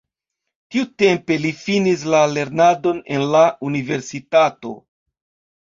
Tiutempe li finis la lernadon en la universitato.